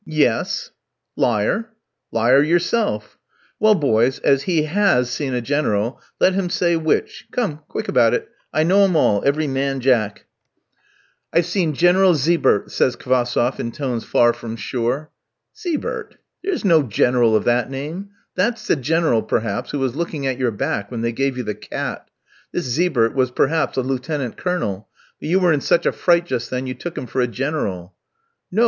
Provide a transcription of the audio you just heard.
"Yes." "Liar!" "Liar, yourself!" "Well, boys, as he has seen a General, let him say which. Come, quick about it; I know 'em all, every man jack." "I've seen General Zibert," says Kvassoff in tones far from sure. "Zibert! There's no General of that name. That's the General, perhaps, who was looking at your back when they gave you the cat. This Zibert was, perhaps, a Lieutenant Colonel; but you were in such a fright just then, you took him for a General." "No!